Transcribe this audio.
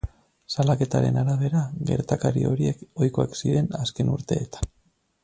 Salaketaren arabera, gertakari horiek ohikoak ziren azken urteetan.